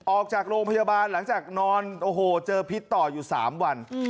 ออกจากโรงพยาบาลหลังจากนอนโอ้โหเจอพิษต่ออยู่๓วัน